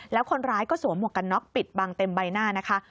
แล้วคนร้ายก็สวมหวกกันน็อกปิดบังเต็มใบหน้านะคะ